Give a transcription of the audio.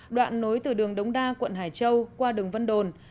đoạn nối từ đường đống đa quận hải châu qua đường vân đồn